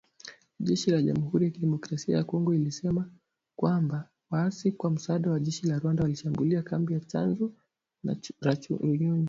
Jeshi la Jamhuri ya kidemokrasia ya Kongo lilisema kwamba waasi kwa msaada wa jeshi la Rwanda, walishambulia kambi za Tchanzu na Runyonyi.